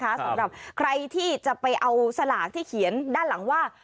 สำหรับใครที่จะไปเอาสลากที่เขียนด้านหลังว่า